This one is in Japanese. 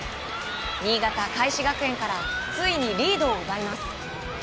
新潟・開志学園からついにリードを奪います。